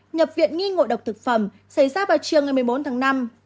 nhập viện nghi ngội độc thực phẩm xảy ra vào trường ngày một mươi bốn tháng năm